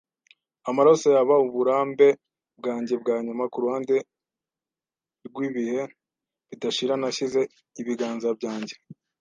amaraso yaba uburambe bwanjye bwa nyuma kuruhande rwibihe bidashira. Nashyize ibiganza byanjye